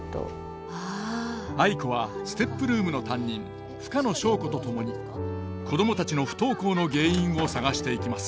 藍子はＳＴＥＰルームの担任深野祥子と共に子供たちの不登校の原因を探していきます。